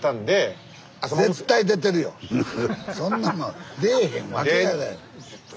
そんなもん出えへんわけがない。